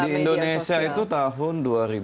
di indonesia itu tahun dua ribu